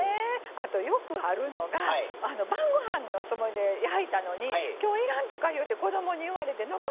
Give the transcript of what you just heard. あとよくあるのが晩ごはんのつもりで焼いたのにきょういらんとかいうて子どもに言われて残るときってありますでしょ？